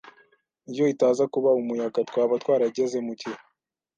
Iyo itaza kuba umuyaga, twaba twarageze mugihe.